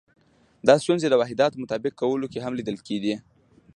دا ستونزې د واحداتو مطابق کولو کې هم لیدل کېدې.